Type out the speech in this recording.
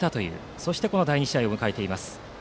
そしてこの第２試合を迎えています。